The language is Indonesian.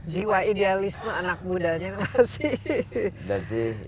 jiwa idealisme anak mudanya masih